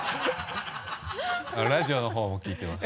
ラジオのほうも聞いてます。